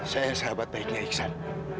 saya sahabat baiknya iksan